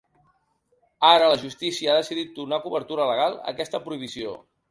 Ara la justícia ha decidit donar cobertura legal a aquesta prohibició.